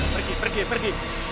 pergi pergi pergi